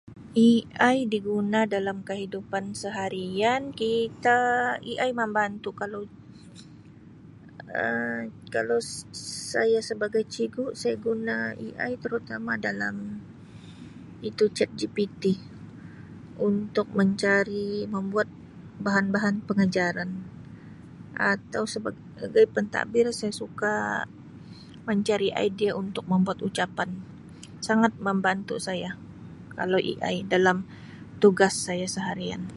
AI diguna dalam kehidupan seharian kita AI membantu kalau Um kalau ss-saya sebagai cigu saya guna AI terutama dalam itu cek jpt untuk mencari membuat bahan bahan pengajaran atau sebagai pentadbir saya suka mencari idea untuk membuat ucapan sangat membantu saya kalau AI dalam tugas saya seharian